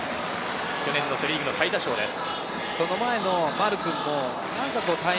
去年のセ・リーグの最多勝です。